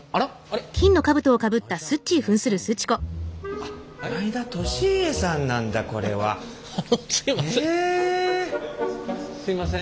あのすいません。